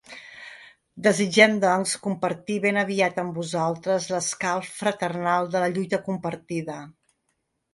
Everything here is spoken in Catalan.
Desitgem doncs compartir ben aviat amb vosaltres l’escalf fraternal de la lluita compartida.